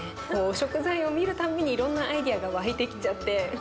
食材を見るたんびにいろんなアイデアが湧いてきちゃって。